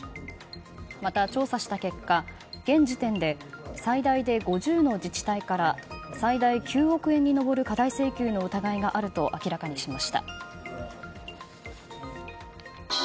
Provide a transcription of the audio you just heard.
また調査した結果現時点で最大で５０の自治体から最大９億円に上る過大請求の疑いがあると明らかにしました。